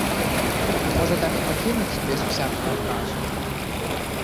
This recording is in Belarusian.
Можа, так і пакінуць без усякага адказу?